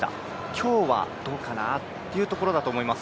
今日はどうかなというところだと思います。